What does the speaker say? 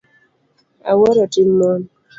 Awuoro tim mon.